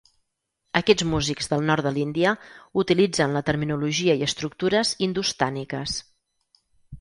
Aquests músics del nord de l'Índia utilitzen la terminologia i estructures indostàniques.